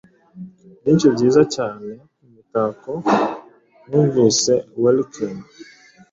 Byinshi byiza cyane mumitako numvise welkin